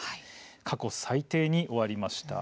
過去最低に終わりました。